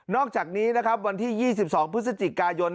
นอกจากนี้นะครับวันที่๒๒พย